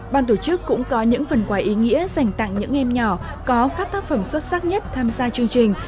ban tổ chức cũng có những phần quà ý nghĩa dành tặng những em nhỏ có các tác phẩm xuất sắc nhất tham gia chương trình